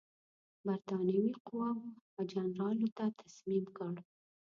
برټانوي قواوو هغه جنرال لو ته تسلیم کړ.